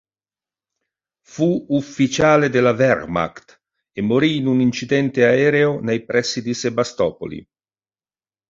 Fu ufficiale della Wehrmacht e morì in un incidente aereo nei pressi di Sebastopoli.